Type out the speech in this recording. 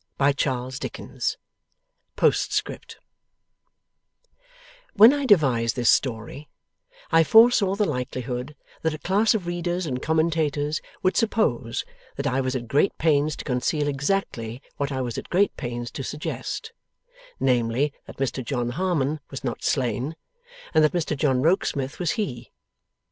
POSTSCRIPT IN LIEU OF PREFACE When I devised this story, I foresaw the likelihood that a class of readers and commentators would suppose that I was at great pains to conceal exactly what I was at great pains to suggest: namely, that Mr John Harmon was not slain, and that Mr John Rokesmith was he.